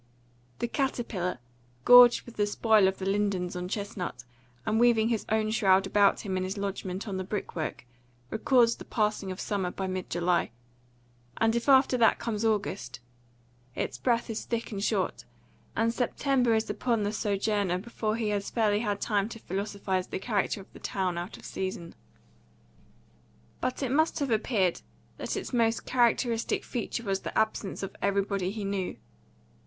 The caterpillar, gorged with the spoil of the lindens on Chestnut, and weaving his own shroud about him in his lodgment on the brick work, records the passing of summer by mid July; and if after that comes August, its breath is thick and short, and September is upon the sojourner before he has fairly had time to philosophise the character of the town out of season. But it must have appeared that its most characteristic feature was the absence of everybody he knew.